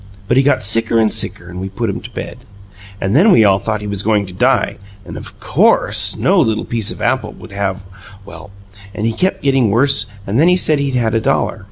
But he got sicker and sicker, and we put him to bed and then we all thought he was going to die and, of COURSE, no little piece of apple would have well, and he kept getting worse and then he said he'd had a dollar.